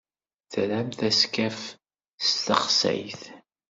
Tramt askaf n texsayt?